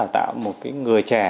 tạo một người trẻ